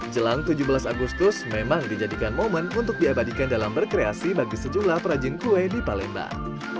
jelang tujuh belas agustus memang dijadikan momen untuk diabadikan dalam berkreasi bagi sejumlah perajin kue di palembang